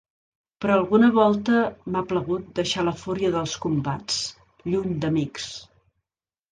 Però alguna volta m’ha plagut deixar la fúria dels combats, lluny d’amics.